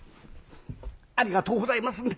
ありがとうございますんで！